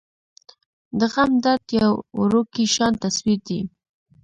د غم درد يو وړوکے شان تصوير دے ۔